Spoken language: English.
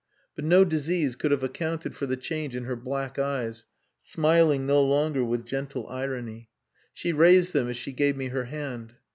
But no disease could have accounted for the change in her black eyes, smiling no longer with gentle irony. She raised them as she gave me her hand.